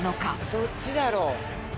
どっちだろう。